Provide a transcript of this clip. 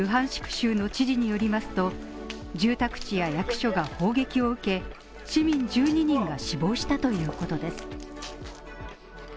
州の知事によりますと、住宅地や役所が砲撃を受け、市民１２人が死亡したということです。